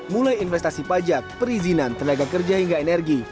mulai investasi pajak perizinan tenaga kerja hingga energi